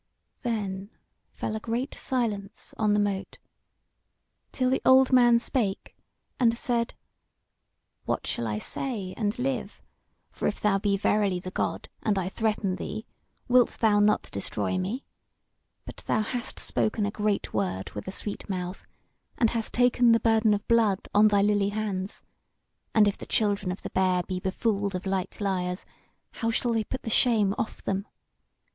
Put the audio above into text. Then fell a great silence on the Mote, till the old man spake and said: "What shall I say and live? For if thou be verily the God, and I threaten thee, wilt thou not destroy me? But thou hast spoken a great word with a sweet mouth, and hast taken the burden of blood on thy lily hands; and if the Children of the Bear be befooled of light liars, how shall they put the shame off them?